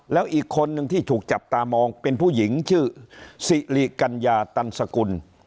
แล้วอีกคนนึงที่ถูกจับตามองเป็นผู้หญิงชื่อสิริกัญญาตันสกุล